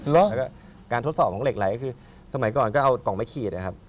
แล้วก็การทดสอบของเหล็กไหลก็คือสมัยก่อนก็เอากล่องไม้ขีดนะครับ